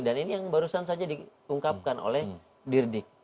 dan ini yang barusan saja diungkapkan oleh dirdik